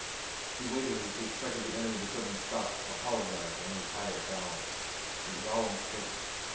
He waited as if he expected the enemy to suddenly stop, apologize, and retire bowing. It was all a mistake.